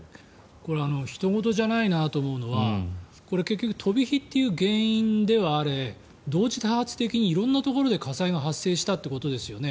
これはひと事じゃないなと思うのは結局、飛び火という原因ではあれ同時多発的に色んなところで火災が発生したということですよね。